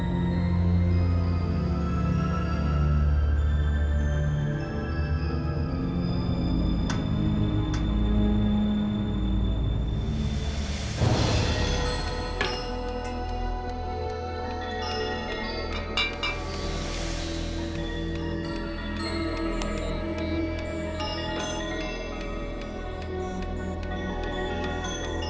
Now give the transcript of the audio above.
aku bisa sembuh